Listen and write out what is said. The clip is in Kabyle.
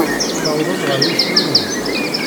Tewwḍem ɣer yiswi-nwen?